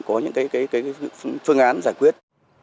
có những cái phương án giải quyết